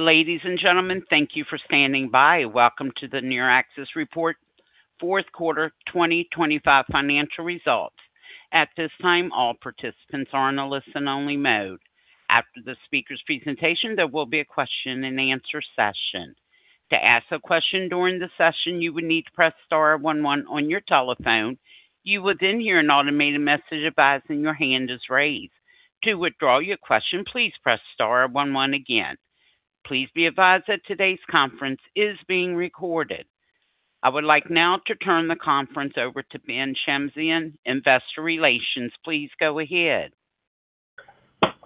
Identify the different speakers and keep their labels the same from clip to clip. Speaker 1: Ladies and gentlemen, thank you for standing by. Welcome to the NeurAxis Report, Q4 2025 financial results. At this time, all participants are in a listen-only mode. After the speaker's presentation, there will be a question-and-answer session. To ask a question during the session, you would need to press star one one on your telephone. You will then hear an automated message advising your hand is raised. To withdraw your question, please press star one one again. Please be advised that today's conference is being recorded. I would like now to turn the conference over to Ben Shamsian, Investor Relations. Please go ahead.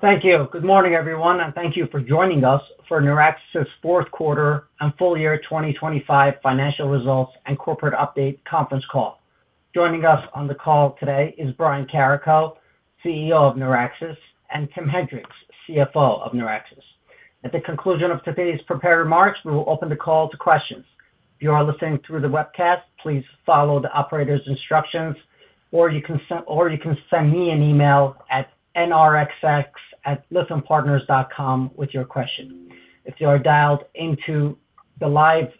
Speaker 2: Thank you. Good morning, everyone, and thank you for joining us for NeurAxis' Q4 and full year 2025 financial results and corporate update conference call. Joining us on the call today is Brian Carrico, CEO of NeurAxis, and Timothy Henrichs, CFO of NeurAxis. At the conclusion of today's prepared remarks, we will open the call to questions. If you are listening through the webcast, please follow the operator's instructions, or you can send me an email at nrx@liftonpartners.com with your question. If you are dialed into the live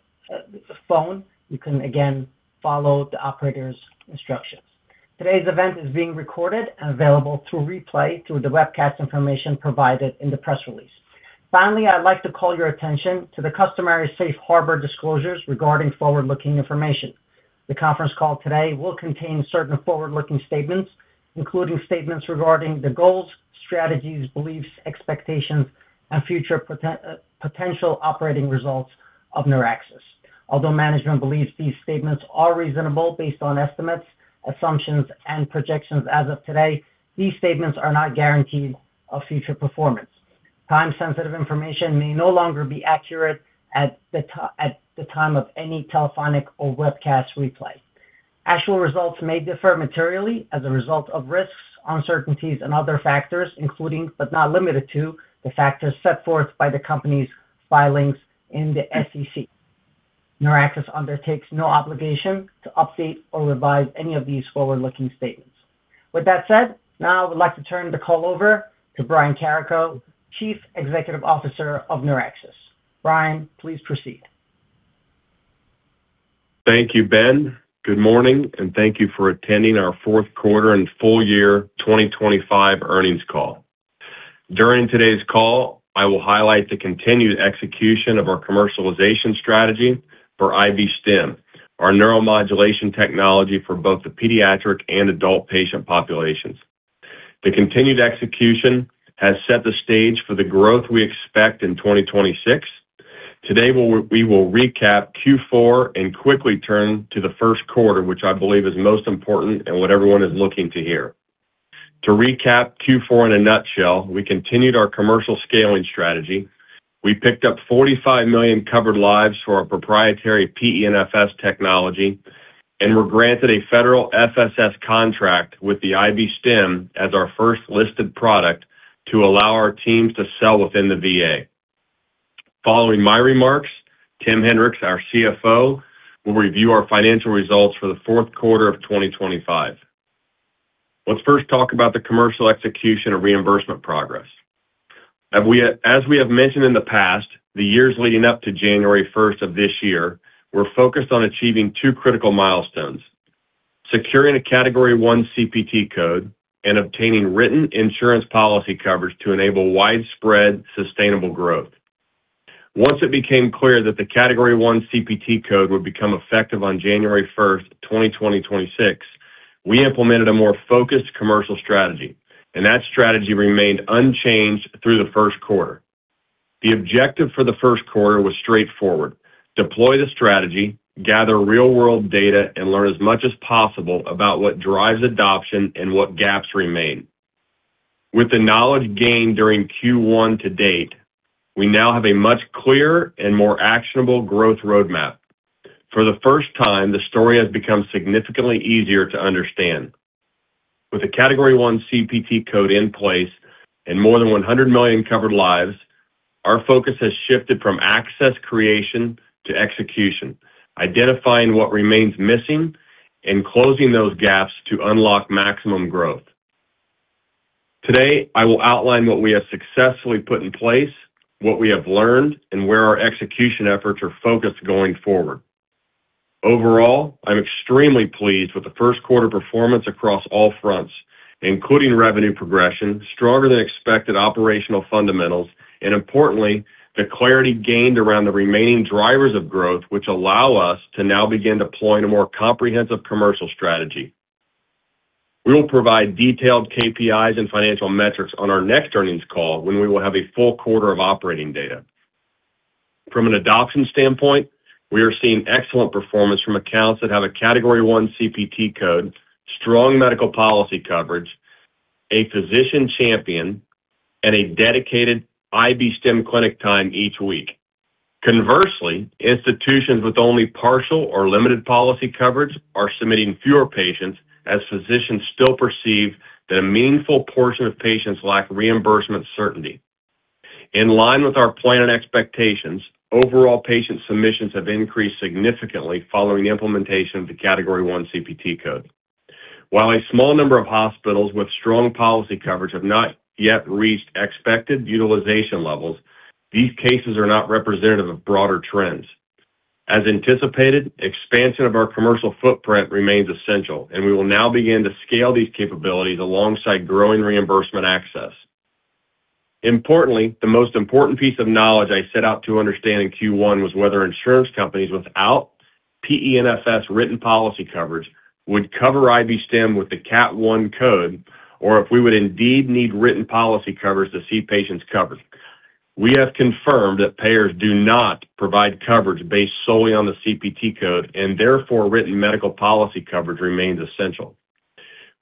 Speaker 2: phone, you can again follow the operator's instructions. Today's event is being recorded and available through replay through the webcast information provided in the press release. Finally, I'd like to call your attention to the customary safe harbor disclosures regarding forward-looking information. The conference call today will contain certain forward-looking statements, including statements regarding the goals, strategies, beliefs, expectations, and future potential operating results of NeurAxis. Although management believes these statements are reasonable based on estimates, assumptions, and projections as of today, these statements are not guarantees of future performance. Time-sensitive information may no longer be accurate at the time of any telephonic or webcast replay. Actual results may differ materially as a result of risks, uncertainties, and other factors, including, but not limited to, the factors set forth by the company's filings in the SEC. NeurAxis undertakes no obligation to update or revise any of these forward-looking statements. With that said, now I would like to turn the call over to Brian Carrico, Chief Executive Officer of NeurAxis. Brian, please proceed.
Speaker 3: Thank you, Ben. Good morning, and thank you for attending our Q4 and full year 2025 earnings call. During today's call, I will highlight the continued execution of our commercialization strategy for IB-Stim, our neuromodulation technology for both the pediatric and adult patient populations. The continued execution has set the stage for the growth we expect in 2026. Today, we will recap Q4 and quickly turn to the Q1, which I believe is most important and what everyone is looking to hear. To recap Q4 in a nutshell, we continued our commercial scaling strategy. We picked up 45 million covered lives for our proprietary PENFS technology and were granted a federal FSS contract with the IB-Stim as our first listed product to allow our teams to sell within the VA. Following my remarks, Timothy Henrichs, our CFO, will review our financial results for the Q4 of 2025. Let's first talk about the commercial execution and reimbursement progress. As we have mentioned in the past, the years leading up to January 1 of this year, we're focused on achieving two critical milestones: securing a Category I CPT code and obtaining written insurance policy coverage to enable widespread sustainable growth. Once it became clear that the Category I CPT code would become effective on January 1, 2026, we implemented a more focused commercial strategy, and that strategy remained unchanged through the Q1. The objective for the Q1 was straightforward: deploy the strategy, gather real-world data, and learn as much as possible about what drives adoption and what gaps remain. With the knowledge gained during Q1 to date, we now have a much clearer and more actionable growth roadmap. For the first time, the story has become significantly easier to understand. With a Category I CPT code in place and more than 100 million covered lives, our focus has shifted from access creation to execution, identifying what remains missing and closing those gaps to unlock maximum growth. Today, I will outline what we have successfully put in place, what we have learned, and where our execution efforts are focused going forward. Overall, I'm extremely pleased with the Q1 performance across all fronts, including revenue progression, stronger than expected operational fundamentals, and importantly, the clarity gained around the remaining drivers of growth, which allow us to now begin deploying a more comprehensive commercial strategy. We will provide detailed KPIs and financial metrics on our next earnings call when we will have a full quarter of operating data. From an adoption standpoint, we are seeing excellent performance from accounts that have a Category I CPT code, strong medical policy coverage, a physician champion, and a dedicated IB-Stim clinic time each week. Conversely, institutions with only partial or limited policy coverage are submitting fewer patients as physicians still perceive that a meaningful portion of patients lack reimbursement certainty. In line with our plan and expectations, overall patient submissions have increased significantly following the implementation of the Category I CPT code. While a small number of hospitals with strong policy coverage have not yet reached expected utilization levels, these cases are not representative of broader trends. As anticipated, expansion of our commercial footprint remains essential, and we will now begin to scale these capabilities alongside growing reimbursement access. Importantly, the most important piece of knowledge I set out to understand in Q1 was whether insurance companies without PENFS written policy coverage would cover IB-Stim with the Category I CPT code, or if we would indeed need written policy coverage to see patients covered. We have confirmed that payers do not provide coverage based solely on the CPT code, and therefore written medical policy coverage remains essential.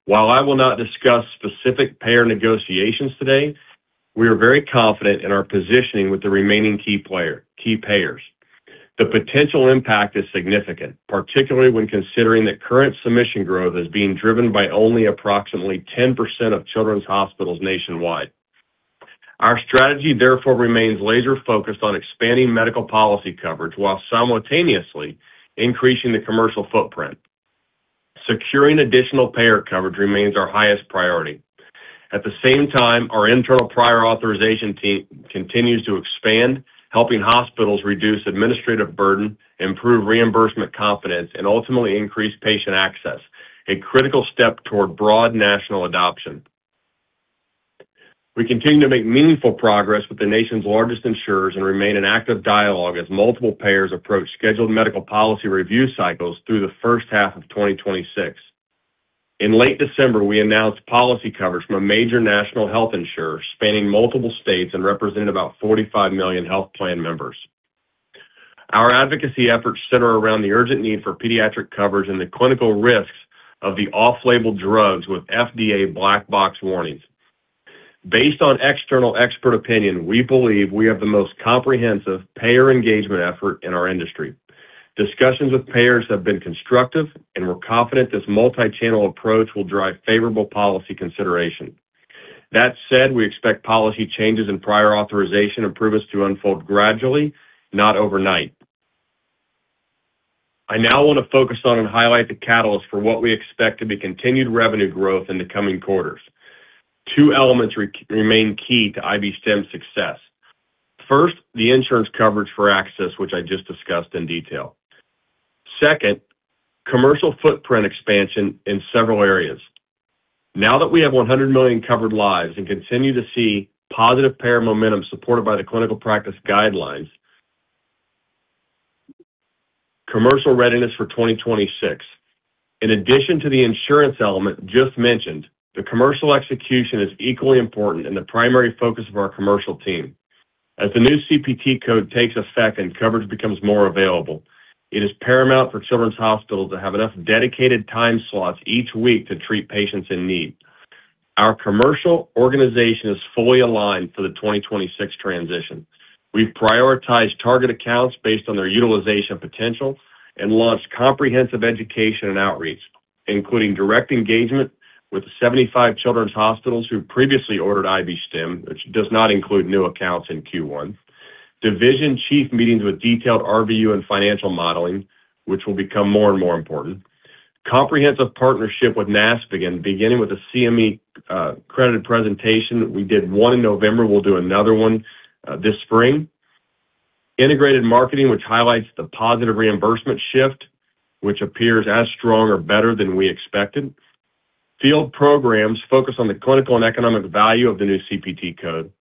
Speaker 3: While I will not discuss specific payer negotiations today, we are very confident in our positioning with the remaining key payers. The potential impact is significant, particularly when considering that current submission growth is being driven by only approximately 10% of children's hospitals nationwide. Our strategy, therefore, remains laser-focused on expanding medical policy coverage while simultaneously increasing the commercial footprint. Securing additional payer coverage remains our highest priority. At the same time, our internal prior authorization team continues to expand, helping hospitals reduce administrative burden, improve reimbursement confidence, and ultimately increase patient access, a critical step toward broad national adoption. We continue to make meaningful progress with the nation's largest insurers and remain in active dialogue as multiple payers approach scheduled medical policy review cycles through the first half of 2026. In late December, we announced policy coverage from a major national health insurer spanning multiple states and representing about 45 million health plan members. Our advocacy efforts center around the urgent need for pediatric coverage and the clinical risks of the off-label drugs with FDA black box warnings. Based on external expert opinion, we believe we have the most comprehensive payer engagement effort in our industry. Discussions with payers have been constructive, and we're confident this multi-channel approach will drive favorable policy consideration. That said, we expect policy changes and prior authorization improvements to unfold gradually, not overnight. I now want to focus on and highlight the catalyst for what we expect to be continued revenue growth in the coming quarters. Two elements remain key to IB-Stim success. First, the insurance coverage for access, which I just discussed in detail. Second, commercial footprint expansion in several areas. Now that we have 100 million covered lives and continue to see positive payer momentum supported by the clinical practice guidelines. Commercial readiness for 2026. In addition to the insurance element just mentioned, the commercial execution is equally important and the primary focus of our commercial team. As the new CPT code takes effect and coverage becomes more available, it is paramount for children's hospitals to have enough dedicated time slots each week to treat patients in need. Our commercial organization is fully aligned for the 2026 transition. We've prioritized target accounts based on their utilization potential and launched comprehensive education and outreach, including direct engagement with the 75 children's hospitals who previously ordered IB-Stim, which does not include new accounts in Q1. Division chief meetings with detailed RVU and financial modeling, which will become more and more important. Comprehensive partnership with NASPGHAN, beginning with a CME credited presentation. We did one in November. We'll do another one, this spring. Integrated marketing, which highlights the positive reimbursement shift, which appears as strong or better than we expected. Field programs focus on the clinical and economic value of the new CPT code.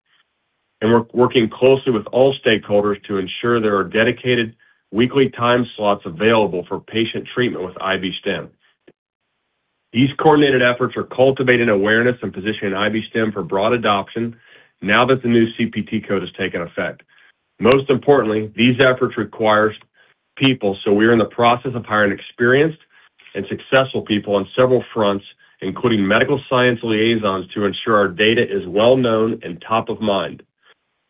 Speaker 3: We're working closely with all stakeholders to ensure there are dedicated weekly time slots available for patient treatment with IB-Stim. These coordinated efforts are cultivating awareness and positioning IB-Stim for broad adoption now that the new CPT code has taken effect. Most importantly, these efforts require people, so we are in the process of hiring experienced and successful people on several fronts, including medical science liaisons to ensure our data is well known and top of mind.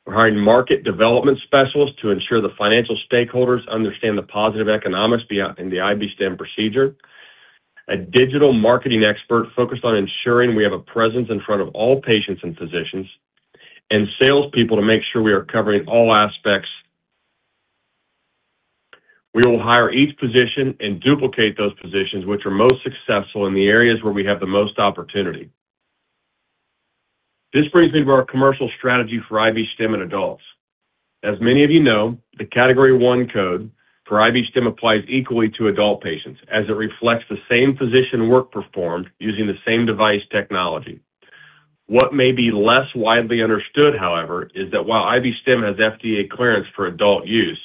Speaker 3: We're hiring market development specialists to ensure the financial stakeholders understand the positive economics in the IB-Stim procedure. A digital marketing expert focused on ensuring we have a presence in front of all patients and physicians, and salespeople to make sure we are covering all aspects. We will hire each position and duplicate those positions which are most successful in the areas where we have the most opportunity. This brings me to our commercial strategy for IB-Stim in adults. As many of you know, the Category I CPT code for IB-Stim applies equally to adult patients as it reflects the same physician work performed using the same device technology. What may be less widely understood, however, is that while IB-Stim has FDA clearance for adult use,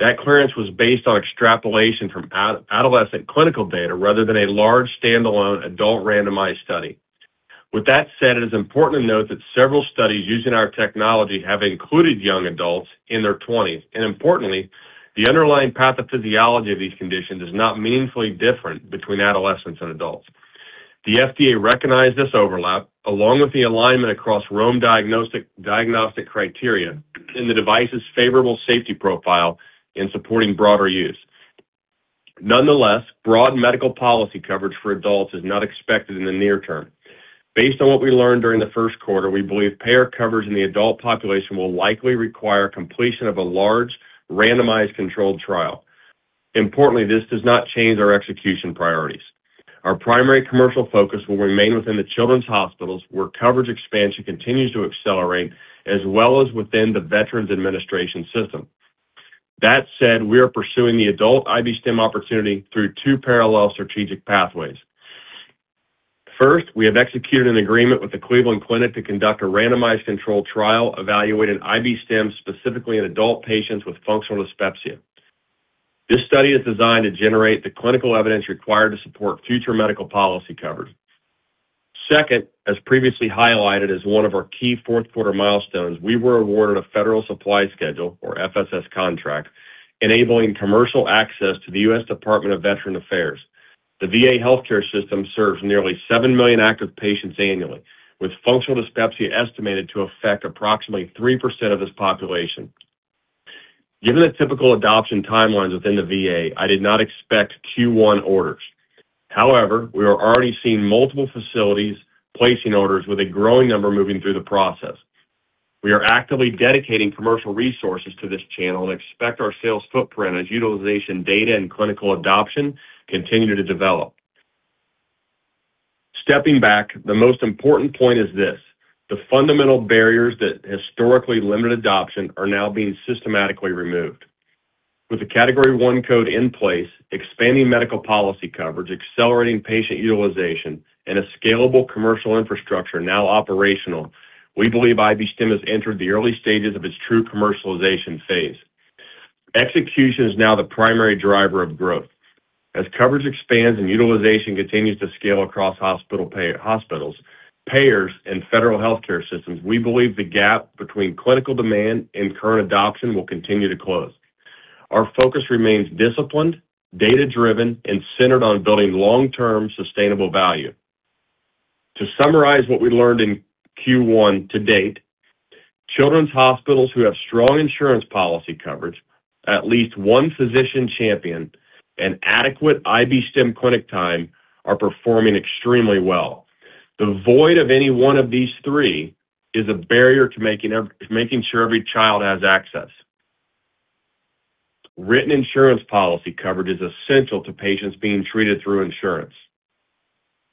Speaker 3: that clearance was based on extrapolation from adolescent clinical data rather than a large standalone adult randomized study. With that said, it is important to note that several studies using our technology have included young adults in their twenties, and importantly, the underlying pathophysiology of these conditions is not meaningfully different between adolescents and adults. The FDA recognized this overlap, along with the alignment across Rome Criteria in the device's favorable safety profile in supporting broader use. Nonetheless, broad medical policy coverage for adults is not expected in the near term. Based on what we learned during the Q1, we believe payer coverage in the adult population will likely require completion of a large randomized controlled trial. Importantly, this does not change our execution priorities. Our primary commercial focus will remain within the children's hospitals, where coverage expansion continues to accelerate, as well as within the Veterans Administration system. That said, we are pursuing the adult IB-Stim opportunity through two parallel strategic pathways. First, we have executed an agreement with the Cleveland Clinic to conduct a randomized controlled trial evaluating IB-Stim specifically in adult patients with functional dyspepsia. This study is designed to generate the clinical evidence required to support future medical policy coverage. Second, as previously highlighted as one of our key Q4 milestones, we were awarded a Federal Supply Schedule, or FSS contract, enabling commercial access to the U.S. Department of Veterans Affairs. The VA healthcare system serves nearly 7 million active patients annually, with functional dyspepsia estimated to affect approximately 3% of this population. Given the typical adoption timelines within the VA, I did not expect Q1 orders. However, we are already seeing multiple facilities placing orders with a growing number moving through the process. We are actively dedicating commercial resources to this channel and expect our sales footprint as utilization data and clinical adoption continue to develop. Stepping back, the most important point is this. The fundamental barriers that historically limited adoption are now being systematically removed. With a Category I code in place, expanding medical policy coverage, accelerating patient utilization, and a scalable commercial infrastructure now operational, we believe IB-Stim has entered the early stages of its true commercialization phase. Execution is now the primary driver of growth. As coverage expands and utilization continues to scale across hospitals, payers, and federal healthcare systems, we believe the gap between clinical demand and current adoption will continue to close. Our focus remains disciplined, data-driven, and centered on building long-term sustainable value. To summarize what we learned in Q1 to date, children's hospitals who have strong insurance policy coverage, at least one physician champion, and adequate IB-Stim clinic time are performing extremely well. The void of any one of these three is a barrier to making sure every child has access. Written insurance policy coverage is essential to patients being treated through insurance.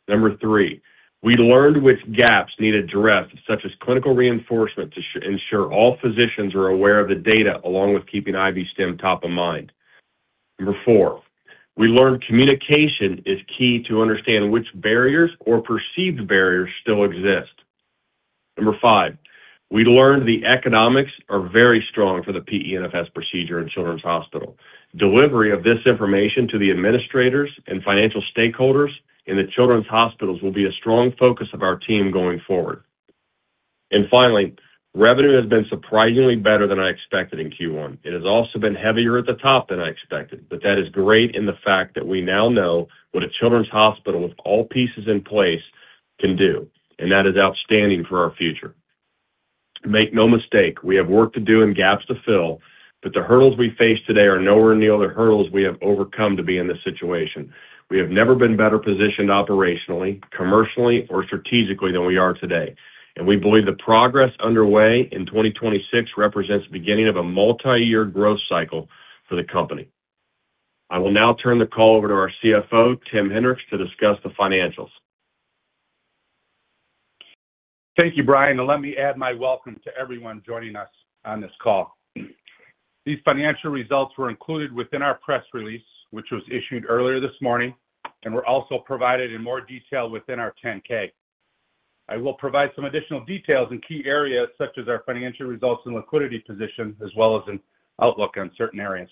Speaker 3: Number three, we learned which gaps need addressed, such as clinical reinforcement to ensure all physicians are aware of the data along with keeping IB-Stim top of mind. Number four, we learned communication is key to understanding which barriers or perceived barriers still exist. Number five, we learned the economics are very strong for the PENFS procedure in children's hospital. Delivery of this information to the administrators and financial stakeholders in the children's hospitals will be a strong focus of our team going forward. Finally, revenue has been surprisingly better than I expected in Q1. It has also been heavier at the top than I expected, but that is great in the fact that we now know what a children's hospital with all pieces in place can do, and that is outstanding for our future. Make no mistake, we have work to do and gaps to fill, but the hurdles we face today are nowhere near the hurdles we have overcome to be in this situation. We have never been better positioned operationally, commercially, or strategically than we are today, and we believe the progress underway in 2026 represents the beginning of a multi-year growth cycle for the company. I will now turn the call over to our CFO, Tim Henrichs, to discuss the financials.
Speaker 4: Thank you, Brian, and let me add my welcome to everyone joining us on this call. These financial results were included within our press release, which was issued earlier this morning, and were also provided in more detail within our 10-K. I will provide some additional details in key areas such as our financial results and liquidity position, as well as an outlook on certain areas.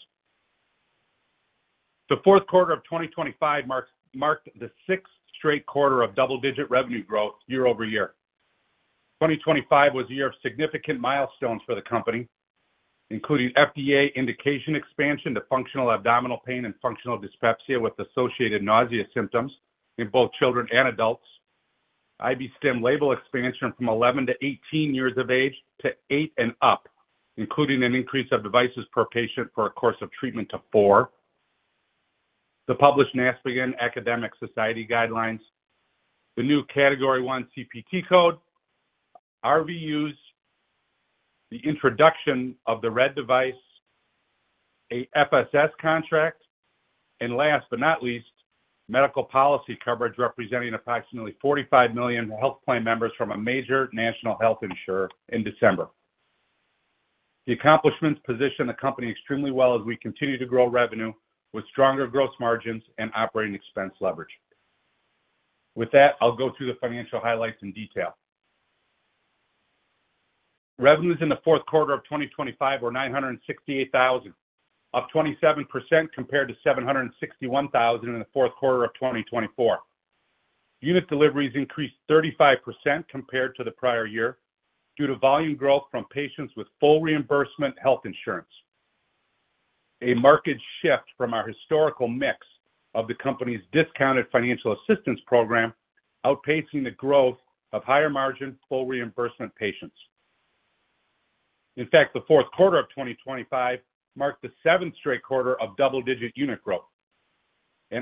Speaker 4: The Q4 of 2025 marked the sixth straight quarter of double-digit revenue growth year over year. 2025 was a year of significant milestones for the company, including FDA indication expansion to functional abdominal pain and functional dyspepsia with associated nausea symptoms in both children and adults. IB-Stim label expansion from 11 to 18 years of age to 8 and up, including an increase of devices per patient for a course of treatment to 4. The published NASPGHAN academic society guidelines, the new Category I CPT code, RVUs, the introduction of the RED device, a FSS contract, and last but not least, medical policy coverage representing approximately 45 million health plan members from a major national health insurer in December. The accomplishments position the company extremely well as we continue to grow revenue with stronger gross margins and operating expense leverage. With that, I'll go through the financial highlights in detail. Revenues in the Q4 of 2025 were $968,000, up 27% compared to $761,000 in the Q4 of 2024. Unit deliveries increased 35% compared to the prior year due to volume growth from patients with full reimbursement health insurance. A market shift from our historical mix of the company's discounted financial assistance program, outpacing the growth of higher margin full reimbursement patients. In fact, the Q4 of 2025 marked the seventh straight quarter of double-digit unit growth.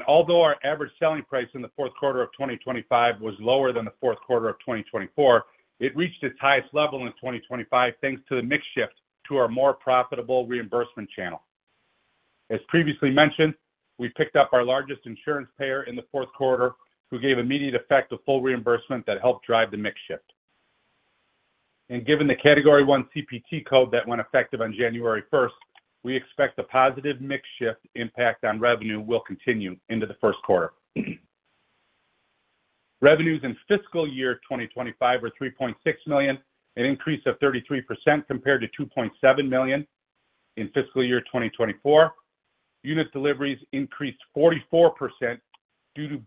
Speaker 4: Although our average selling price in the Q4 of 2025 was lower than the Q4 of 2024, it reached its highest level in 2025, thanks to the mix shift to our more profitable reimbursement channel. As previously mentioned, we picked up our largest insurance payer in the Q4 who gave immediate effect of full reimbursement that helped drive the mix shift. Given the Category I CPT code that went effective on January 1, we expect the positive mix shift impact on revenue will continue into the Q1. Revenues in fiscal year 2025 were 3.6 million, an increase of 33% compared to 2.7 million in fiscal year 2024. Unit deliveries increased 44% due to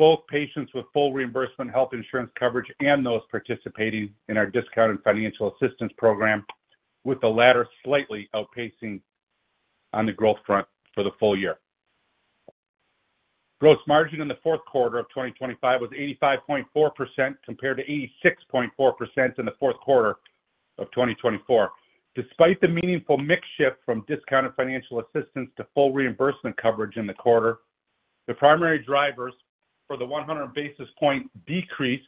Speaker 4: both patients with full reimbursement health insurance coverage and those participating in our discounted financial assistance program, with the latter slightly outpacing on the growth front for the full year. Gross margin in the Q4 of 2025 was 85.4% compared to 86.4% in the Q4 of 2024. Despite the meaningful mix shift from discounted financial assistance to full reimbursement coverage in the quarter, the primary drivers for the 100 basis point decrease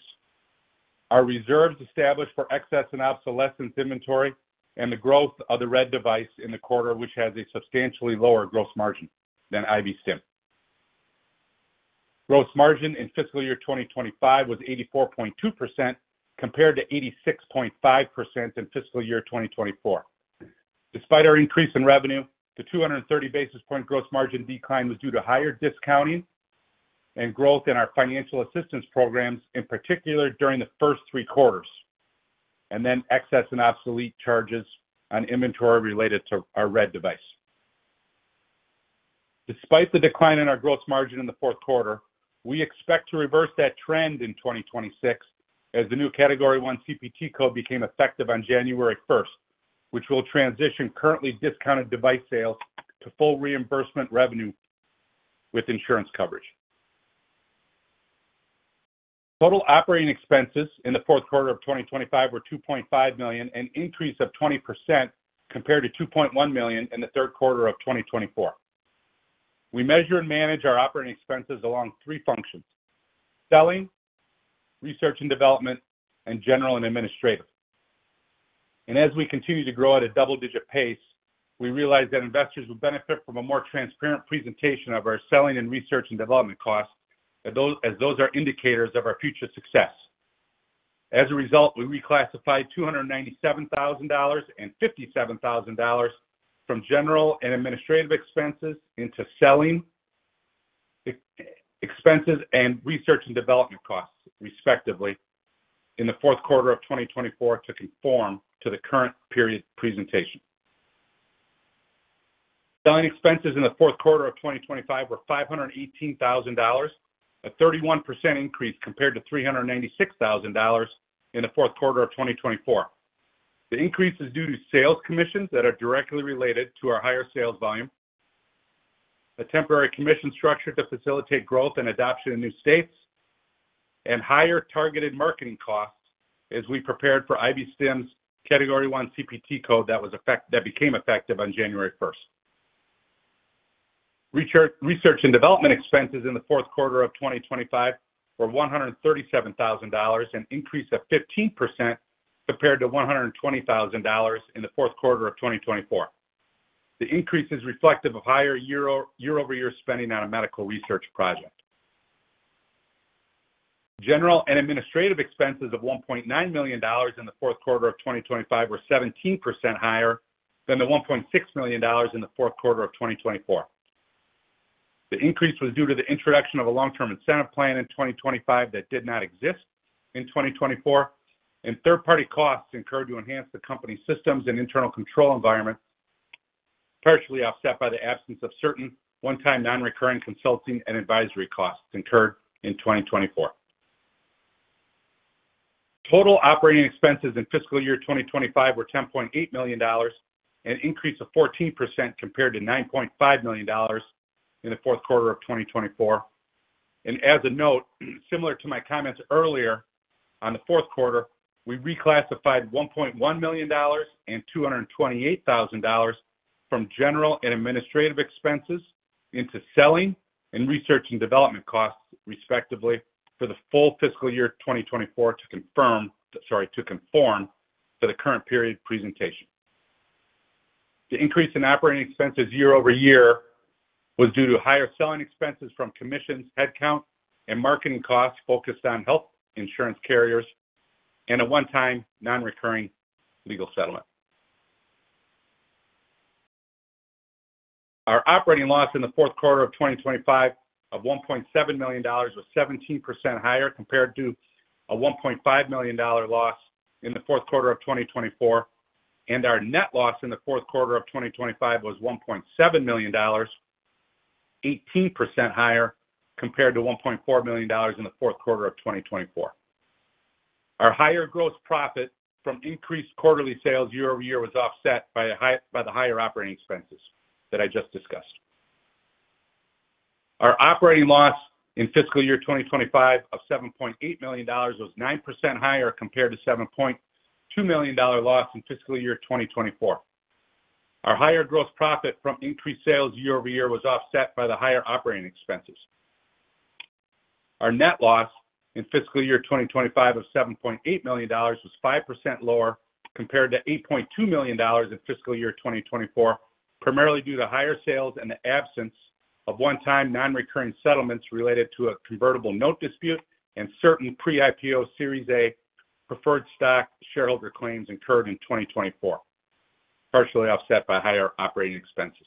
Speaker 4: are reserves established for excess and obsolescence inventory and the growth of the RED device in the quarter, which has a substantially lower gross margin than IB-Stim. Gross margin in fiscal year 2025 was 84.2% compared to 86.5% in fiscal year 2024. Despite our increase in revenue, the 230 basis point gross margin decline was due to higher discounting and growth in our financial assistance programs, in particular during the first three quarters, and then excess and obsolete charges on inventory related to our RED device. Despite the decline in our gross margin in the Q4, we expect to reverse that trend in 2026 as the new Category I CPT code became effective on January 1, which will transition currently discounted device sales to full reimbursement revenue with insurance coverage. Total operating expenses in the Q4 of 2025 were 2.5 million, an increase of 20% compared to 2.1 million in the Q3 of 2024. We measure and manage our operating expenses along three functions, selling, research and development, and general and administrative. As we continue to grow at a double-digit pace, we realize that investors will benefit from a more transparent presentation of our selling and research and development costs as those are indicators of our future success. As a result, we reclassified $297,000 and $57,000 from general and administrative expenses into selling expenses and research and development costs, respectively, in the Q4 of 2024 to conform to the current period presentation. Selling expenses in the Q4 of 2025 were $518,000, a 31% increase compared to $396,000 in the Q4 of 2024. The increase is due to sales commissions that are directly related to our higher sales volume, a temporary commission structure to facilitate growth and adoption in new states, and higher targeted marketing costs as we prepared for IB-Stim's Category I CPT code that became effective on January 1. Research and development expenses in the Q4 of 2025 were $137,000, an increase of 15% compared to $120,000 in the Q4 of 2024. The increase is reflective of higher year-over-year spending on a medical research project. General and administrative expenses of $1.9 million in the Q4 of 2025 were 17% higher than the $1.6 million in the Q4 of 2024. The increase was due to the introduction of a long-term incentive plan in 2025 that did not exist in 2024, and third-party costs incurred to enhance the company's systems and internal control environment, partially offset by the absence of certain one-time non-recurring consulting and advisory costs incurred in 2024. Total operating expenses in fiscal year 2025 were $10.8 million, an increase of 14% compared to $9.5 million in the Q4 of 2024. As a note, similar to my comments earlier on the Q4, we reclassified $1.1 million and $228,000 from general and administrative expenses into selling and research and development costs, respectively, for the full fiscal year 2024 to conform to the current period presentation. The increase in operating expenses year over year was due to higher selling expenses from commissions, headcount, and marketing costs focused on health insurance carriers and a one-time non-recurring legal settlement. Our operating loss in the Q4 of 2025 of $1.7 million was 17% higher compared to a $1.5 million loss in the Q4 of 2024. Our net loss in the Q4 of 2025 was $1.7 million, 18% higher compared to $1.4 million in the Q4 of 2024. Our higher gross profit from increased quarterly sales year-over-year was offset by the higher operating expenses that I just discussed. Our operating loss in fiscal year 2025 of $7.8 million was 9% higher compared to $7.2 million loss in fiscal year 2024. Our higher gross profit from increased sales year-over-year was offset by the higher operating expenses. Our net loss in fiscal year 2025 of $7.8 million was 5% lower compared to $8.2 million in fiscal year 2024, primarily due to higher sales and the absence of one-time non-recurring settlements related to a convertible note dispute and certain pre-IPO Series A preferred stock shareholder claims incurred in 2024, partially offset by higher operating expenses.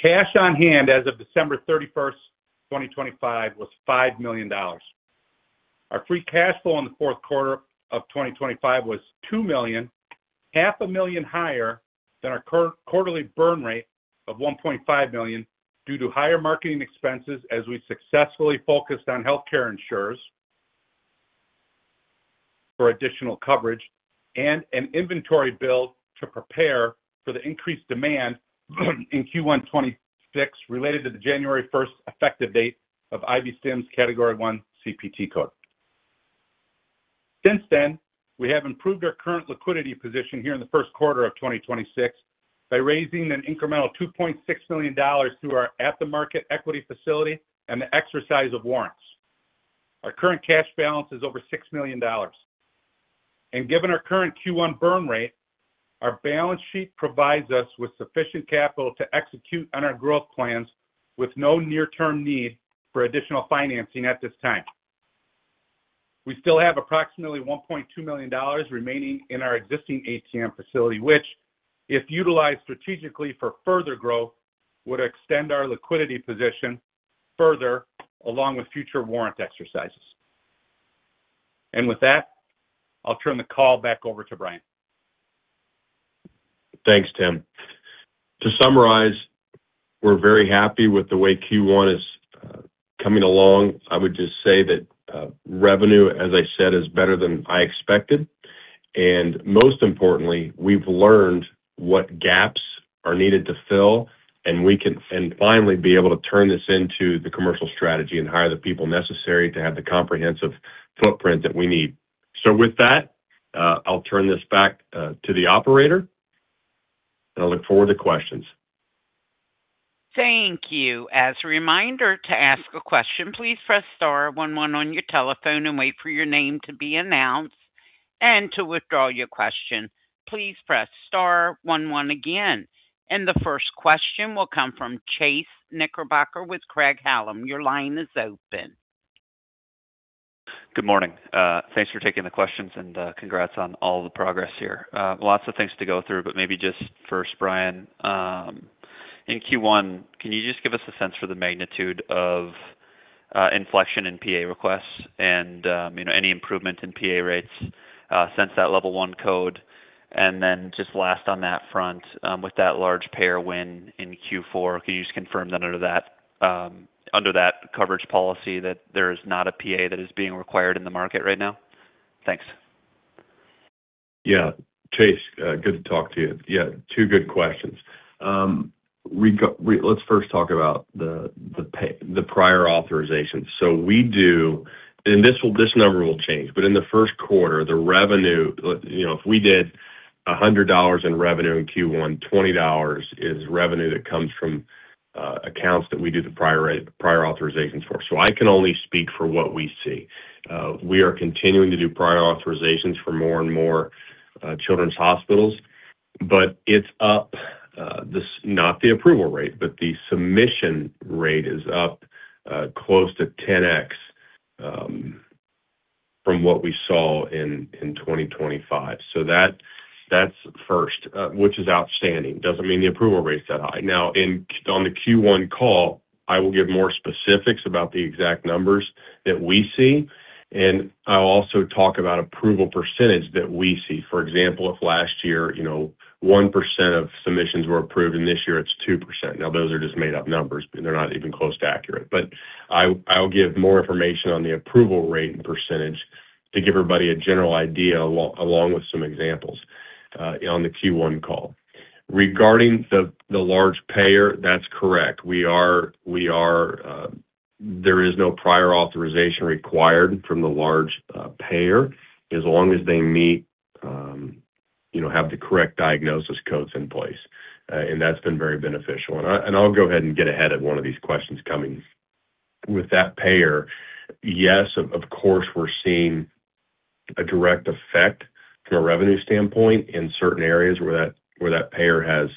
Speaker 4: Cash on hand as of December 31, 2025, was $5 million. Our free cash flow in the Q4 of 2025 was 2 million, 0.5 Million higher than our current quarterly burn rate of 1.5 million due to higher marketing expenses as we successfully focused on healthcare insurers for additional coverage and an inventory build to prepare for the increased demand in Q1 2026 related to the January 1, effective date of IB-Stim's Category I CPT code. Since then, we have improved our current liquidity position here in the Q1 of 2026 by raising an incremental $2.6 million through our at-the-market equity facility and the exercise of warrants. Our current cash balance is over $6 million. Given our current Q1 burn rate, our balance sheet provides us with sufficient capital to execute on our growth plans with no near-term need for additional financing at this time. We still have approximately $1.2 million remaining in our existing ATM facility, which, if utilized strategically for further growth, would extend our liquidity position further along with future warrant exercises. With that, I'll turn the call back over to Brian.
Speaker 3: Thanks, Tim. To summarize, we're very happy with the way Q1 is coming along. I would just say that revenue, as I said, is better than I expected. Most importantly, we've learned what gaps are needed to fill, and we can finally be able to turn this into the commercial strategy and hire the people necessary to have the comprehensive footprint that we need. With that, I'll turn this back to the operator, and I look forward to questions.
Speaker 1: Thank you. As a reminder to ask a question, please press star 11 on your telephone and wait for your name to be announced. To withdraw your question, please press star 11 again. The first question will come from Chase Knickerbocker with Craig-Hallum. Your line is open.
Speaker 5: Good morning. Thanks for taking the questions and, congrats on all the progress here. Lots of things to go through, but maybe just first, Brian, in Q1, can you just give us a sense for the magnitude of, inflection in PA requests and, you know, any improvement in PA rates, since that level one code? And then just last on that front, with that large payer win in Q4, can you just confirm that under that, under that coverage policy that there is not a PA that is being required in the market right now? Thanks.
Speaker 3: Yeah. Chase, good to talk to you. Yeah, two good questions. Let's first talk about the prior authorization. We do. This number will change. But in the Q1, the revenue, you know, if we did $100 in revenue in Q1, $20 is revenue that comes from accounts that we do the prior authorizations for. I can only speak for what we see. We are continuing to do prior authorizations for more and more children's hospitals, but it's up, not the approval rate, but the submission rate is up close to 10x from what we saw in 2025. That's first, which is outstanding. Doesn't mean the approval rate's that high. On the Q1 call, I will give more specifics about the exact numbers that we see, and I'll also talk about approval percentage that we see. For example, if last year, you know 1% of submissions were approved, and this year it's 2%. Now those are just made-up numbers, but they're not even close to accurate. I'll give more information on the approval rate and percentage to give everybody a general idea along with some examples on the Q1 call. Regarding the large payer, that's correct. We are there is no prior authorization required from the large payer as long as they meet, you know, have the correct diagnosis codes in place. And that's been very beneficial. I'll go ahead and get ahead of one of these questions coming. With that payer, yes, of course, we're seeing a direct effect from a revenue standpoint in certain areas where that payer has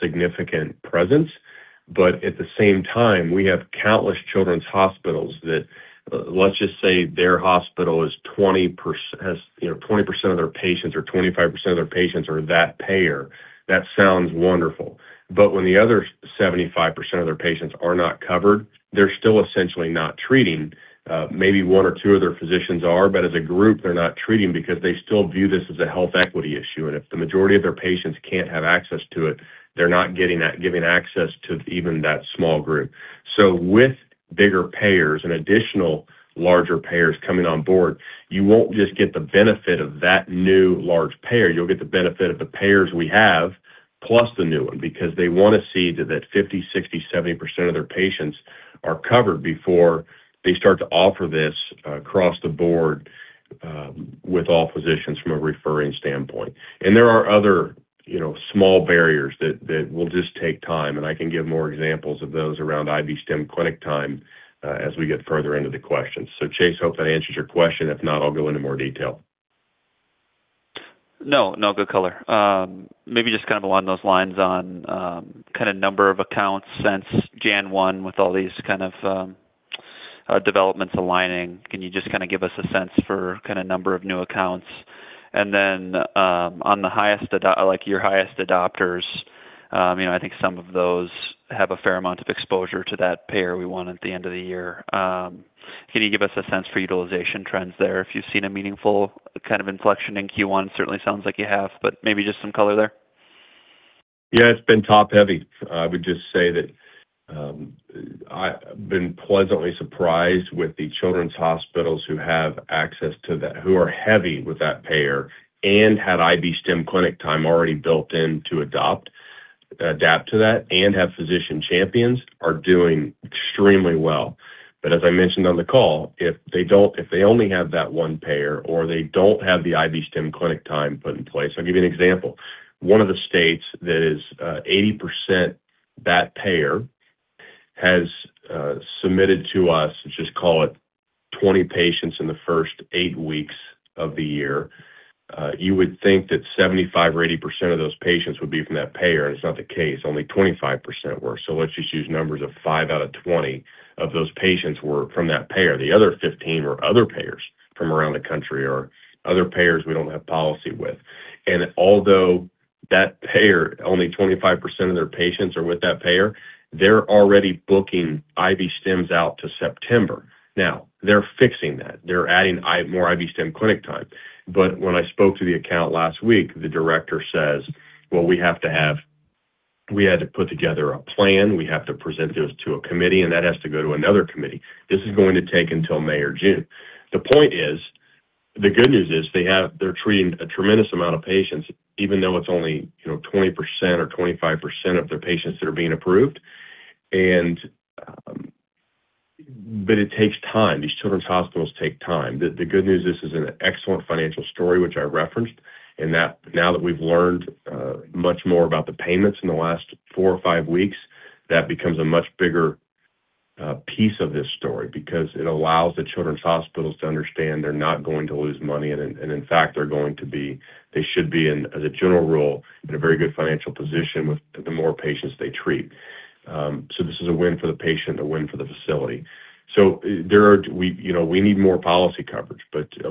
Speaker 3: significant presence. But at the same time, we have countless children's hospitals that, let's just say their hospital has, you know, 20% of their patients or 25% of their patients are that payer. That sounds wonderful. But when the other 75% of their patients are not covered, they're still essentially not treating. Maybe one or two of their physicians are, but as a group, they're not treating because they still view this as a health equity issue. If the majority of their patients can't have access to it, they're not giving access to even that small group. With bigger payers and additional larger payers coming on board, you won't just get the benefit of that new large payer. You'll get the benefit of the payers we have plus the new one because they want to see that 50%, 60%, 70% of their patients are covered before they start to offer this across the board, with all physicians from a referring standpoint. There are other, you know, small barriers that will just take time, and I can give more examples of those around IB-Stim clinic time, as we get further into the questions. Chase, hope that answers your question. If not, I'll go into more detail.
Speaker 5: No, no. Good color. Maybe just kind of along those lines on kinda number of accounts since January 1, with all these kind of developments aligning, can you just kinda give us a sense for kinda number of new accounts? On the highest adopters, like your highest adopters, you know, I think some of those have a fair amount of exposure to that payer we want at the end of the year. Can you give us a sense for utilization trends there, if you've seen a meaningful kind of inflection in Q1? Certainly sounds like you have, but maybe just some color there.
Speaker 3: Yeah, it's been top-heavy. I would just say that I've been pleasantly surprised with the children's hospitals who have access to that, who are heavy with that payer and had IB-Stim clinic time already built in to adapt to that and have physician champions are doing extremely well. As I mentioned on the call, if they only have that one payer or they don't have the IB-Stim clinic time put in place. I'll give you an example. One of the states that is 80% that payer has submitted to us, let's just call it 20 patients in the first 8 weeks of the year. You would think that 75% or 80% of those patients would be from that payer, and it's not the case, only 25% were. Let's just use numbers: 5 out of 20 of those patients were from that payer. The other 15 are other payers from around the country or other payers we don't have policy with. Although that payer only 25% of their patients are with that payer, they're already booking IB-Stims out to September. Now, they're fixing that. They're adding more IB-Stim clinic time. When I spoke to the account last week, the director says, "Well, we had to put together a plan. We have to present those to a committee, and that has to go to another committee. This is going to take until May or June." The point is, the good news is they're treating a tremendous amount of patients, even though it's only, you know, 20% or 25% of their patients that are being approved. It takes time. These children's hospitals take time. The good news, this is an excellent financial story, which I referenced. That now that we've learned much more about the payments in the last four or five weeks, that becomes a much bigger piece of this story because it allows the children's hospitals to understand they're not going to lose money, and in fact, they should be, as a general rule, in a very good financial position with the more patients they treat. This is a win for the patient, a win for the facility. There are, you know, we need more policy coverage. But it's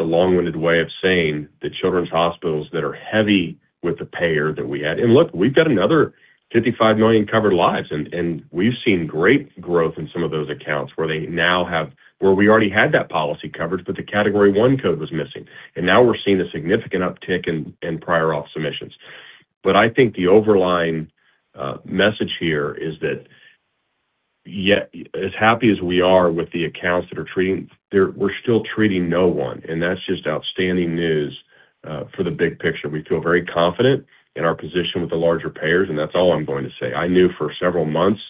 Speaker 3: a long-winded way of saying that children's hospitals that are heavy with the payer that we had. Look, we've got another 55 million covered lives, and we've seen great growth in some of those accounts where they now have, where we already had that policy coverage, but the category one code was missing. Now we're seeing a significant uptick in prior auth submissions. But I think the overall message here is that as happy as we are with the accounts that are treating, we're still treating no one, and that's just outstanding news for the big picture. We feel very confident in our position with the larger payers, and that's all I'm going to say. I knew for several months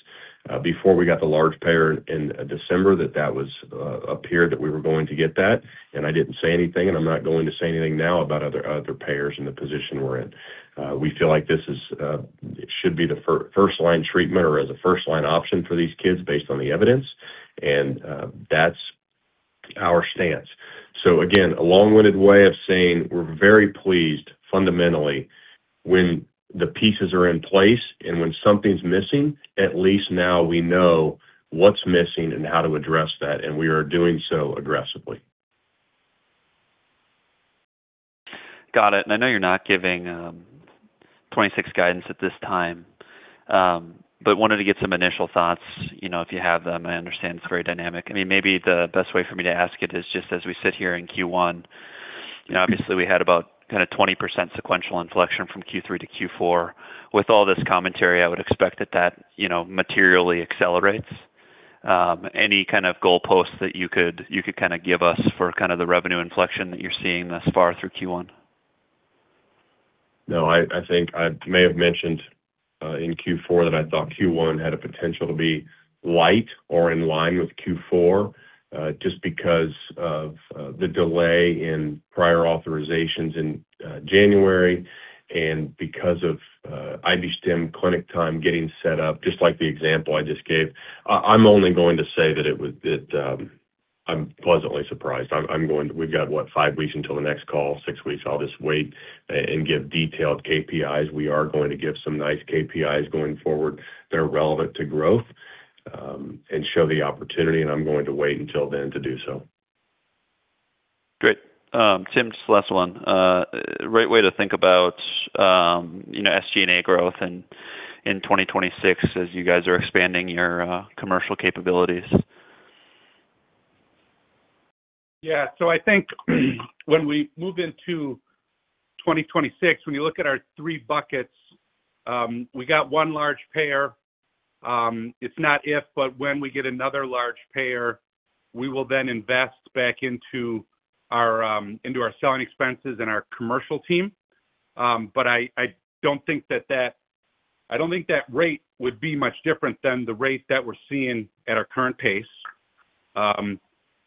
Speaker 3: before we got the large payer in December that that was appeared that we were going to get that, and I didn't say anything, and I'm not going to say anything now about other payers and the position we're in. We feel like this is should be the first line treatment or as a first line option for these kids based on the evidence, and that's our stance. Again, a long-winded way of saying we're very pleased fundamentally when the pieces are in place and when something's missing, at least now we know what's missing and how to address that, and we are doing so aggressively.
Speaker 5: Got it. I know you're not giving 2026 guidance at this time, but wanted to get some initial thoughts, you know, if you have them. I understand it's very dynamic. I mean, maybe the best way for me to ask it is just as we sit here in Q1, you know, obviously we had about kinda 20% sequential inflection from Q3 to Q4. With all this commentary, I would expect that, you know, materially accelerates. Any kind of goalposts that you could kinda give us for kinda the revenue inflection that you're seeing thus far through Q1?
Speaker 3: No, I think I may have mentioned in Q4 that I thought Q1 had a potential to be light or in line with Q4, just because of the delay in prior authorizations in January and because of IB-Stim clinic time getting set up, just like the example I just gave. I'm only going to say that I'm pleasantly surprised. We've got, what, five weeks until the next call, six weeks. I'll just wait and give detailed KPIs. We are going to give some nice KPIs going forward that are relevant to growth and show the opportunity, and I'm going to wait until then to do so.
Speaker 5: Great. Tim, just last one. Right way to think about, you know, SG&A growth in 2026 as you guys are expanding your commercial capabilities?
Speaker 4: I think when we move into 2026, when you look at our three buckets, we got one large payer. It's not if, but when we get another large payer, we will then invest back into our selling expenses and our commercial team. I don't think that
Speaker 6: I don't think that rate would be much different than the rate that we're seeing at our current pace.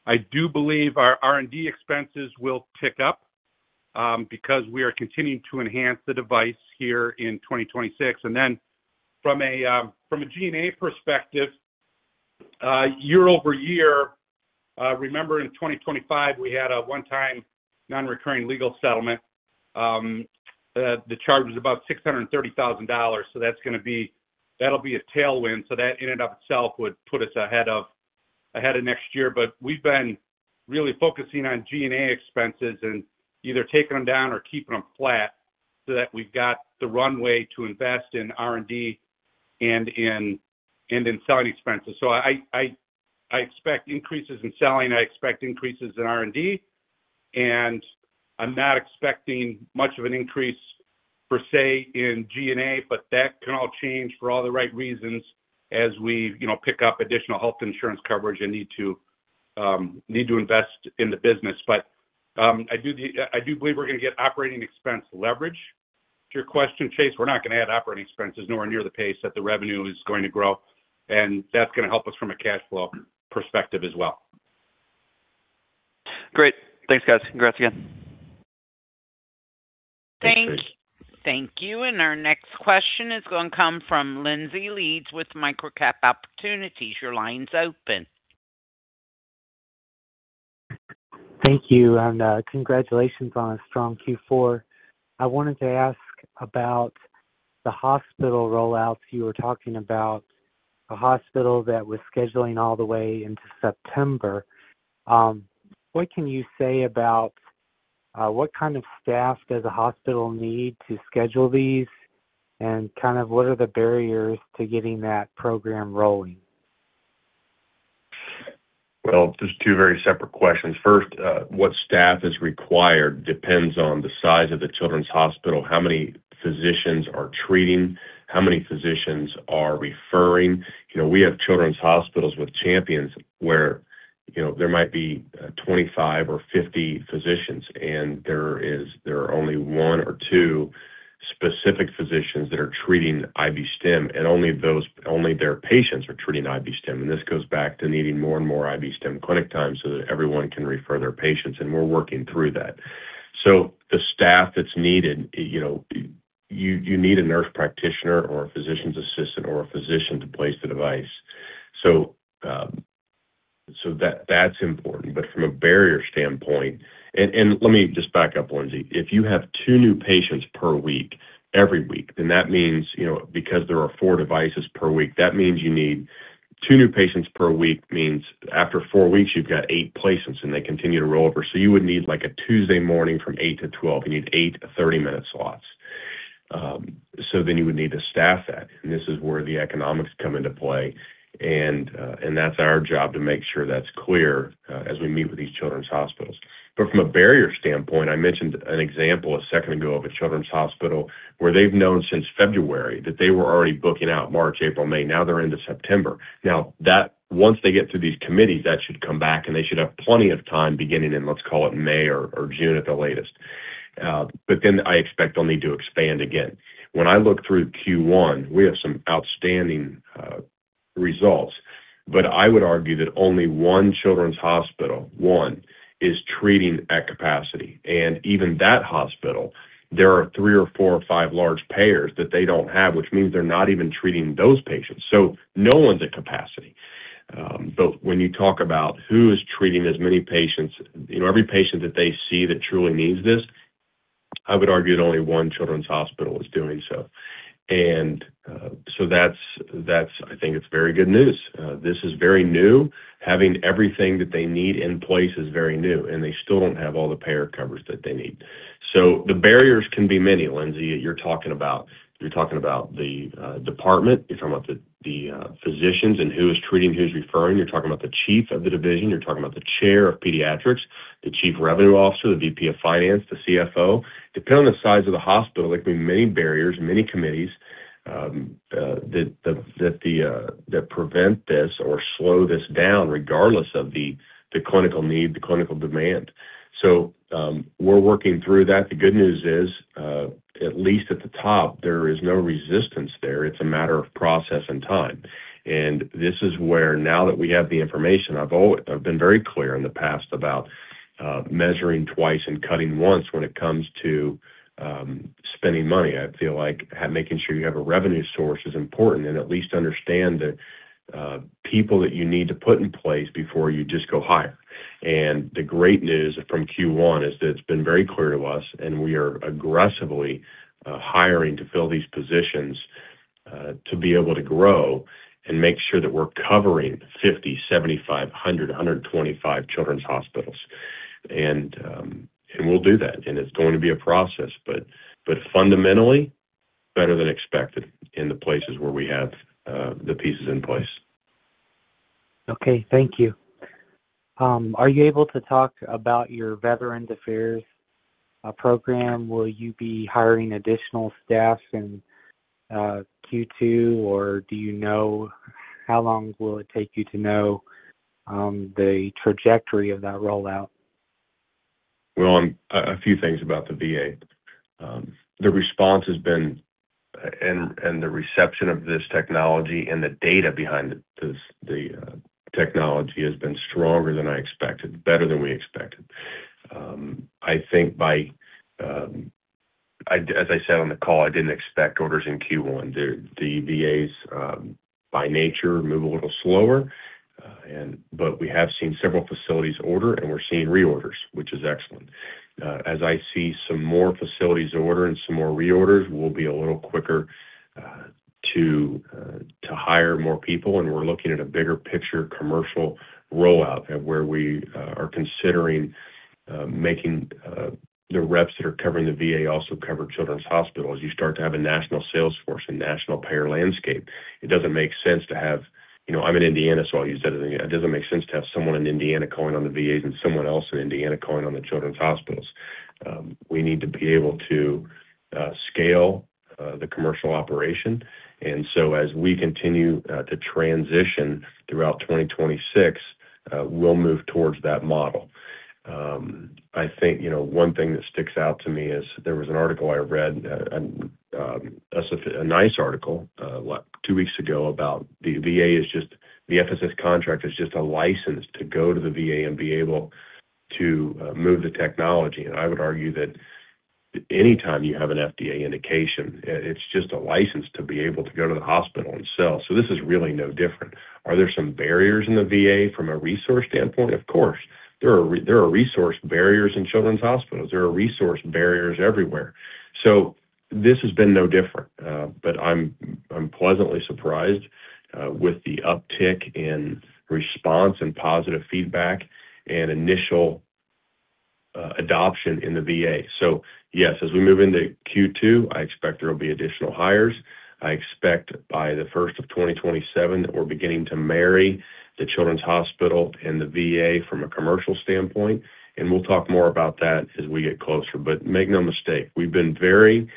Speaker 6: I do believe our R&D expenses will pick up, because we are continuing to enhance the device here in 2026. From a G&A perspective, year over year, remember in 2025, we had a one-time non-recurring legal settlement, the charge was about $630,000. That's gonna be. That'll be a tailwind. That in and of itself would put us ahead of next year. We've been really focusing on G&A expenses and either taking them down or keeping them flat so that we've got the runway to invest in R&D and in selling expenses.
Speaker 4: I expect increases in selling, I expect increases in R&D, and I'm not expecting much of an increase per se in G&A, but that can all change for all the right reasons as we, you know, pick up additional health insurance coverage and need to invest in the business. I do believe we're gonna get operating expense leverage. To your question, Chase, we're not gonna add operating expenses nowhere near the pace that the revenue is going to grow, and that's gonna help us from a cash flow perspective as well.
Speaker 5: Great. Thanks, guys. Congrats again.
Speaker 3: Thanks, Chase.
Speaker 1: Thank you. Our next question is gonna come from Lindsay Leeds with MicroCap Opportunities. Your line's open.
Speaker 7: Thank you, and congratulations on a strong Q4. I wanted to ask about the hospital rollouts. You were talking about a hospital that was scheduling all the way into September. What can you say about what kind of staff does a hospital need to schedule these? Kind of what are the barriers to getting that program rolling?
Speaker 3: Well, there's two very separate questions. First, what staff is required depends on the size of the children's hospital, how many physicians are treating, how many physicians are referring. You know, we have children's hospitals with champions where, you know, there might be 25 or 50 physicians, and there are only one or two specific physicians that are treating IB-Stim, and only their patients are treating IB-Stim. This goes back to needing more and more IB-Stim clinic time so that everyone can refer their patients, and we're working through that. The staff that's needed, you know, you need a nurse practitioner or a physician's assistant or a physician to place the device. So, so that's important. But from a barrier standpoint. Let me just back up, Lindsay. If you have 2 new patients per week every week, then that means, you know, because there are 4 devices per week, that means you need 2 new patients per week. After 4 weeks you've got 8 placements, and they continue to roll over. You would need like a Tuesday morning from 8:00 A.M. to 12:00 P.M., you need 8:30-minute slots. You would need to staff that, and this is where the economics come into play. That's our job to make sure that's clear as we meet with these children's hospitals. From a barrier standpoint, I mentioned an example a second ago of a children's hospital where they've known since February that they were already booking out March, April, May. Now they're into September. Now that once they get through these committees, that should come back, and they should have plenty of time beginning in, let's call it May or June at the latest. But then I expect they'll need to expand again. When I look through Q1, we have some outstanding results, but I would argue that only one children's hospital is treating at capacity. Even that hospital, there are three or four or five large payers that they don't have, which means they're not even treating those patients. No one's at capacity. When you talk about who is treating as many patients, you know, every patient that they see that truly needs this, I would argue that only one children's hospital is doing so. That's, that's I think it's very good news. This is very new. Having everything that they need in place is very new, and they still don't have all the payer coverage that they need. The barriers can be many, Lindsay. You're talking about the department, the physicians and who is treating, who's referring. You're talking about the chief of the division. You're talking about the chair of pediatrics, the chief revenue officer, the VP of finance, the CFO. Depending on the size of the hospital, there could be many barriers, many committees that prevent this or slow this down regardless of the clinical need, the clinical demand. We're working through that. The good news is, at least at the top, there is no resistance there. It's a matter of process and time. This is where now that we have the information, I've been very clear in the past about measuring twice and cutting once when it comes to spending money. I feel like making sure you have a revenue source is important and at least understand the people that you need to put in place before you just go hire. The great news from Q1 is that it's been very clear to us, and we are aggressively hiring to fill these positions to be able to grow and make sure that we're covering 50, 75, 100, 125 children's hospitals. We'll do that, and it's going to be a process, but fundamentally better than expected in the places where we have the pieces in place.
Speaker 7: Okay. Thank you. Are you able to talk about your Veterans Affairs program? Will you be hiring additional staff in Q2, or do you know how long will it take you to know the trajectory of that rollout?
Speaker 3: Well, a few things about the VA. The response has been, and the reception of this technology and the data behind it, the technology has been stronger than I expected, better than we expected. I think, as I said on the call, I didn't expect orders in Q1. The VAs by nature move a little slower. We have seen several facilities order, and we're seeing reorders, which is excellent. As I see some more facilities order and some more reorders, we'll be a little quicker to hire more people, and we're looking at a bigger picture commercial rollout at where we are considering making the reps that are covering the VA also cover children's hospitals. You start to have a national sales force, a national payer landscape. It doesn't make sense to have someone in Indiana calling on the VAs and someone else in Indiana calling on the children's hospitals. You know, I'm in Indiana, so I'll use that as an example. We need to be able to scale the commercial operation. As we continue to transition throughout 2026, we'll move towards that model. I think, you know, one thing that sticks out to me is there was an article I read, a nice article, what, two weeks ago, about the VA's FSS contract is just a license to go to the VA and be able to move the technology. I would argue that anytime you have an FDA indication, it's just a license to be able to go to the hospital and sell. This is really no different. Are there some barriers in the VA from a resource standpoint? Of course. There are resource barriers in children's hospitals. There are resource barriers everywhere. This has been no different. I'm pleasantly surprised with the uptick in response and positive feedback and initial adoption in the VA. Yes, as we move into Q2, I expect there will be additional hires. I expect by the first of 2027 that we're beginning to marry the children's hospital and the VA from a commercial standpoint, and we'll talk more about that as we get closer. Make no mistake, we've been very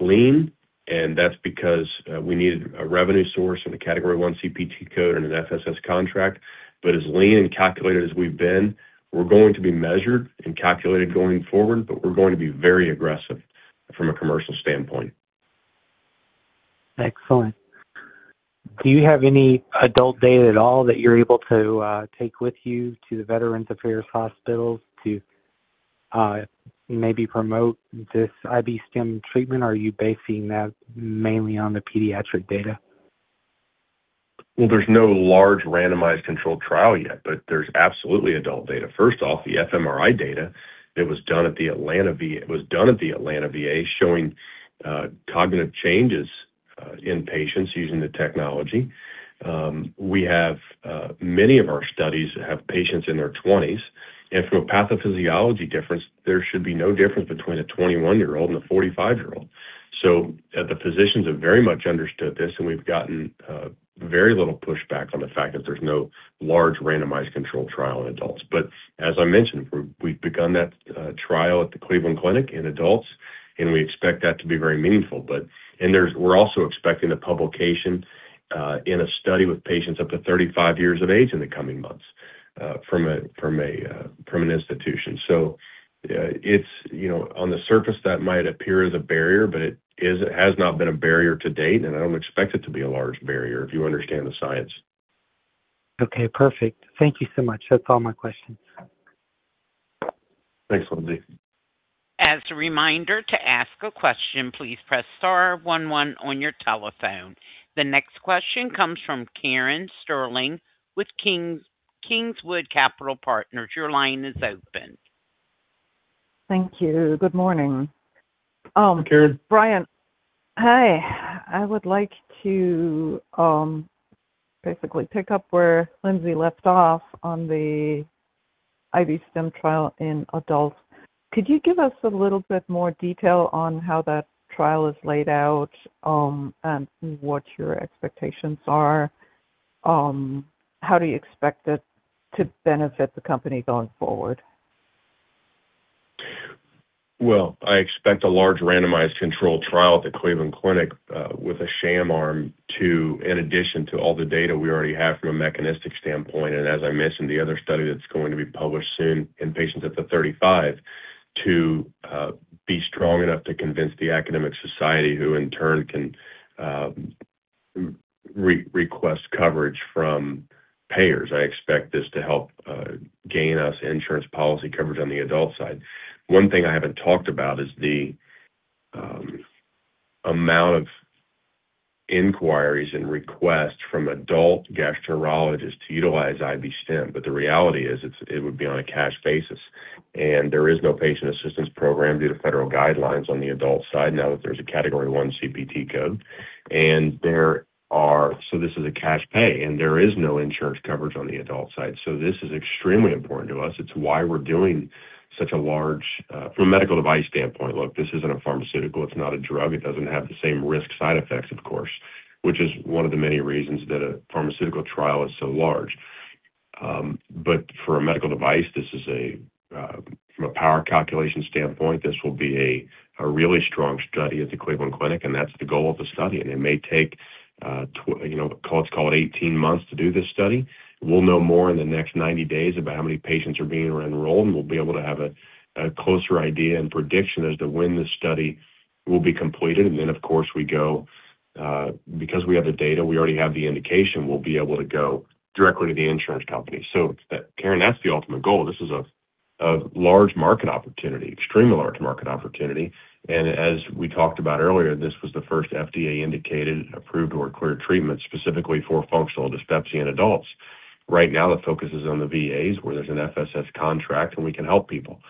Speaker 3: lean, and that's because we needed a revenue source and a Category I CPT code and an FSS contract. As lean and calculated as we've been, we're going to be measured and calculated going forward, but we're going to be very aggressive from a commercial standpoint.
Speaker 7: Excellent. Do you have any adult data at all that you're able to take with you to the Veterans Affairs hospitals to maybe promote this IB-Stim treatment, or are you basing that mainly on the pediatric data?
Speaker 3: Well, there's no large randomized controlled trial yet, but there's absolutely adult data. First off, the fMRI data that was done at the Atlanta VA showing cognitive changes in patients using the technology. Many of our studies have patients in their twenties. From a pathophysiology difference, there should be no difference between a 21-year-old and a 45-year-old. The physicians have very much understood this, and we've gotten very little pushback on the fact that there's no large randomized controlled trial in adults. As I mentioned, we've begun that trial at the Cleveland Clinic in adults, and we expect that to be very meaningful. We're also expecting a publication in a study with patients up to 35 years of age in the coming months from an institution. It's, you know, on the surface that might appear as a barrier, but it has not been a barrier to date, and I don't expect it to be a large barrier if you understand the science.
Speaker 7: Okay, perfect. Thank you so much. That's all my questions.
Speaker 3: Thanks, Lindsay.
Speaker 1: As a reminder to ask a question, please press star one one on your telephone. The next question comes from Karen Sterling with Kingswood Capital Partners. Your line is open.
Speaker 8: Thank you. Good morning.
Speaker 3: Hi, Karen.
Speaker 8: Brian. Hi. I would like to basically pick up where Lindsay left off on the IB-Stim trial in adults. Could you give us a little bit more detail on how that trial is laid out and what your expectations are? How do you expect it to benefit the company going forward?
Speaker 3: Well, I expect a large randomized controlled trial at the Cleveland Clinic with a sham arm in addition to all the data we already have from a mechanistic standpoint, and as I mentioned, the other study that's going to be published soon in patients up to 35 to be strong enough to convince the academic society who in turn can re-request coverage from payers. I expect this to help gain us insurance policy coverage on the adult side. One thing I haven't talked about is the amount of inquiries and requests from adult gastroenterologists to utilize IB-Stim. The reality is, it would be on a cash basis, and there is no patient assistance program due to federal guidelines on the adult side now that there's a Category I CPT code. There are. This is a cash pay, and there is no insurance coverage on the adult side. This is extremely important to us. It's why we're doing such a large. From a medical device standpoint, look, this isn't a pharmaceutical. It's not a drug. It doesn't have the same risk side effects, of course, which is one of the many reasons that a pharmaceutical trial is so large. But for a medical device, this is a, from a power calculation standpoint, this will be a really strong study at the Cleveland Clinic, and that's the goal of the study. It may take, you know, let's call it 18 months to do this study. We'll know more in the next 90 days about how many patients are being enrolled, and we'll be able to have a closer idea and prediction as to when this study will be completed. Then of course we go, because we have the data, we already have the indication, we'll be able to go directly to the insurance company. Karen, that's the ultimate goal. This is a large market opportunity, extremely large market opportunity. As we talked about earlier, this was the first FDA-indicated, approved or cleared treatment specifically for functional dyspepsia in adults. Right now, the focus is on the VAs, where there's an FSS contract, and we can help people.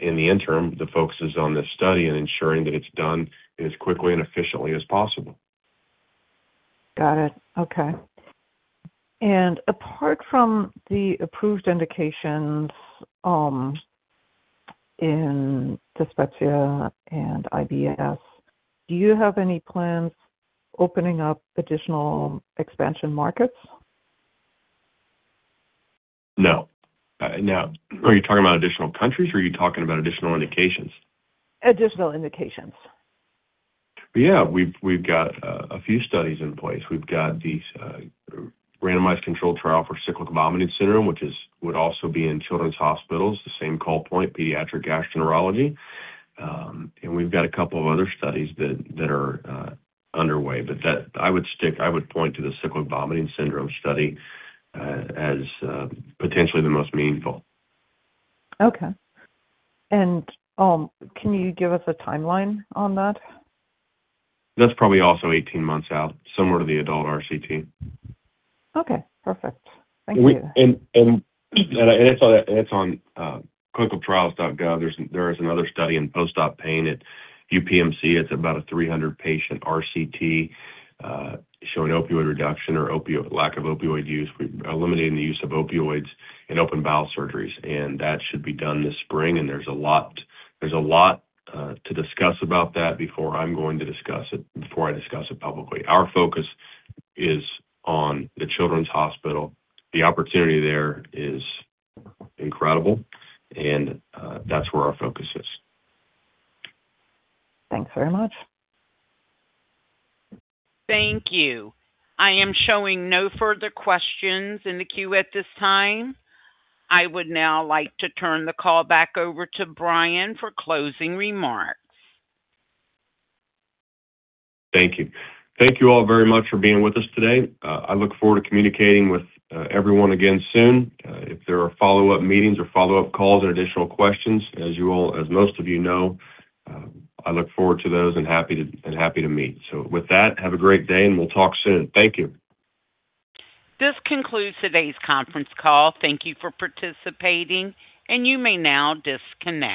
Speaker 3: In the interim, the focus is on this study and ensuring that it's done as quickly and efficiently as possible.
Speaker 8: Got it. Okay. Apart from the approved indications, in dyspepsia and IBS, do you have any plans opening up additional expansion markets?
Speaker 3: No. Now, are you talking about additional countries or are you talking about additional indications?
Speaker 8: Additional indications.
Speaker 3: Yeah. We've got a few studies in place. We've got these randomized controlled trial for cyclic vomiting syndrome, which would also be in children's hospitals, the same call point, pediatric gastroenterology. We've got a couple of other studies that are underway. I would point to the cyclic vomiting syndrome study as potentially the most meaningful.
Speaker 8: Okay. Can you give us a timeline on that?
Speaker 3: That's probably also 18 months out, similar to the adult RCT.
Speaker 8: Okay. Perfect. Thank you.
Speaker 3: It's on ClinicalTrials.gov. There is another study in post-op pain at UPMC. It's about a 300-patient RCT showing opioid reduction or lack of opioid use. We're eliminating the use of opioids in open bowel surgeries, and that should be done this spring. There's a lot to discuss about that before I discuss it publicly. Our focus is on the children's hospital. The opportunity there is incredible, and that's where our focus is.
Speaker 8: Thanks very much.
Speaker 1: Thank you. I am showing no further questions in the queue at this time. I would now like to turn the call back over to Brian for closing remarks.
Speaker 3: Thank you. Thank you all very much for being with us today. I look forward to communicating with everyone again soon. If there are follow-up meetings or follow-up calls or additional questions, as you all, as most of you know, I look forward to those and happy to meet. With that, have a great day, and we'll talk soon. Thank you.
Speaker 1: This concludes today's conference call. Thank you for participating, and you may now disconnect.